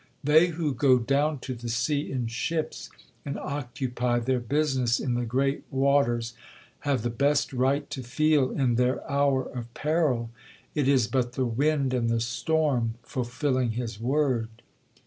They who 'go down to the sea in ships, and occupy their business in the great waters,' have the best right to feel, in their hour of peril, 'it is but the wind and the storm fulfilling his word.'